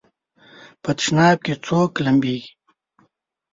په تشناب کې څوک لمبېږي؟